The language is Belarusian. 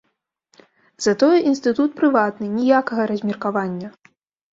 Затое інстытут прыватны, ніякага размеркавання!